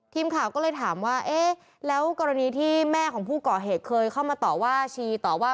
ทีมข่าวก็เลยถามว่าเอ๊ะแล้วกรณีที่แม่ของผู้ก่อเหตุเคยเข้ามาต่อว่าชีต่อว่า